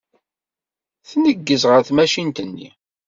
Tneggez ɣer tmacint-nni.